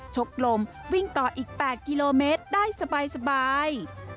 ชกลมวิ่งต่ออีก๘กิโลเมตรได้สบาย